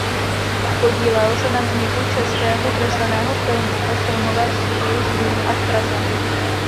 Podílel se na vzniku českého kresleného filmu ve filmovém studiu Zlín a v Praze.